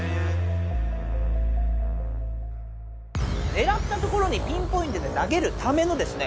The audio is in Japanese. ねらったところにピンポイントで投げるためのですね